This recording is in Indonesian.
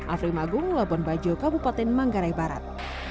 afri magung labuan bajo kabupaten manggarai barat